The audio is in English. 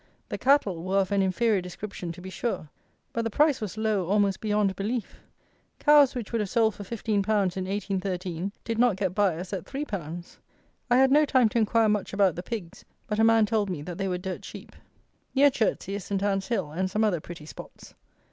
The cattle were of an inferior description to be sure; but the price was low almost beyond belief. Cows, which would have sold for 15_l._ in 1813, did not get buyers at 3_l._ I had no time to inquire much about the pigs, but a man told me that they were dirt cheap. Near Chertsey is Saint Anne's Hill and some other pretty spots.